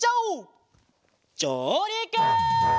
じょうりく！